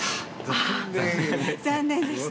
あ残念でした。